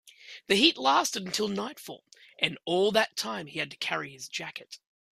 The heat lasted until nightfall, and all that time he had to carry his jacket.